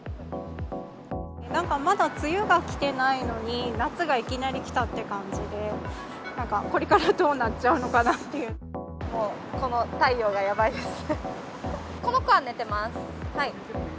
なんかまだ梅雨が来てないのに、夏がいきなり来たって感じで、なんか、これからどうなっちゃうもう、この子は寝ています。